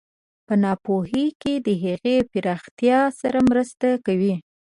په ناپوهۍ کې د هغې پراختیا سره مرسته کوي.